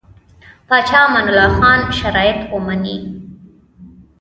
پاچا امان الله خان شرایط ومني.